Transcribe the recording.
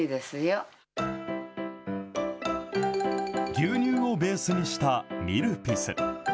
牛乳をベースにしたミルピス。